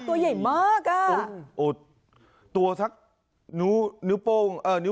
ติดกันได้นะ